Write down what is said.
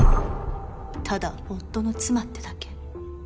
ただ夫の妻ってだけ。